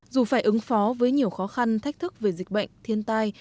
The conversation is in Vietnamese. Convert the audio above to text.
dù phải ứng phó với nhiều khó khăn thách thức về dịch bệnh thiên tai